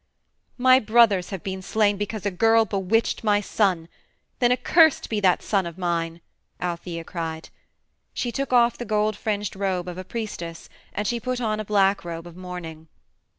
"My brothers have been slain because a girl bewitched my son; then accursed be that son of mine," Althæa cried. She took off the gold fringed robe of a priestess, and she put on a black robe of mourning.